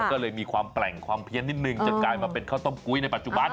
ก็เลยมีความแปลงความเพี้ยนนิดนึงจนกลายมาเป็นข้าวต้มกุ้ยในปัจจุบัน